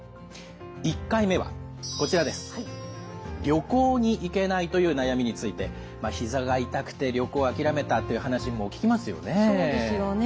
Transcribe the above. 「旅行に行けない」という悩みについてひざが痛くて旅行を諦めたという話も聞きますよね。